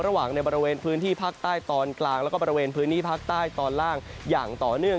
ในบริเวณพื้นที่ภาคใต้ตอนกลางแล้วก็บริเวณพื้นที่ภาคใต้ตอนล่างอย่างต่อเนื่อง